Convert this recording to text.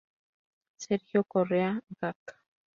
Sergio Correa Gac.